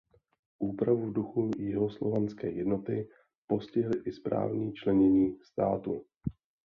Úpravy v duchu jihoslovanské jednoty postihly i správní členění státu.